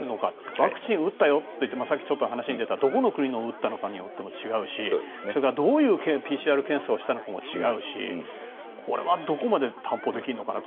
ワクチンを打ったよってさっきちょっと話に出たどこの国で打ったのかも違うしそれからどういうＰＣＲ検査をしたのかによっても違うしこれはどこまで担保できるのかなと。